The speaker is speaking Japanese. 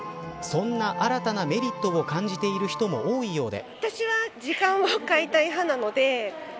そんな新たなメリットを感じている人も多いようで。